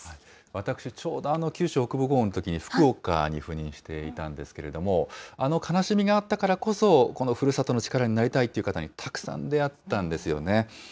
私、ちょうどあの九州北部豪雨のときに、福岡に赴任していたんですけれども、あの悲しみがあったからこそ、このふるさとの力になりたいという方にたくさん出会ったんですよね。